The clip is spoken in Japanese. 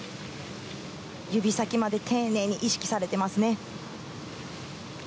指先まで丁寧に意識されていますね。